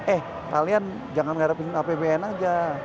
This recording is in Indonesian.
eh kalian jangan mengharapin apbn aja